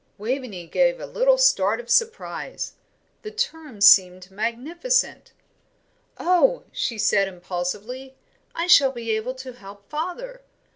Waveney gave a little start of surprise. The terms seemed magnificent. "Oh," she said, impulsively, "I shall be able to help father.